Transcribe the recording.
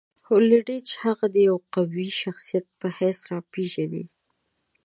هولډیچ هغه د یوه قوي شخصیت په حیث راپېژني.